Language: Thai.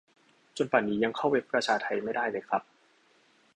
จนป่านนี้ยังเข้าเว็บประชาไทไม่ได้เลยครับ